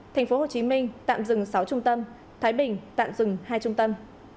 tp hcm tạm dừng sáu trung tâm thái bình tạm dừng hai trung tâm